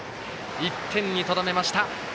１点にとどめました。